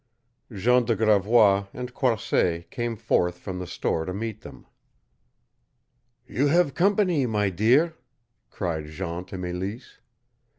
Jean de Gravois and Croisset came forth from the store to meet them. "You have company, my dear!" cried Jean to Mélisse.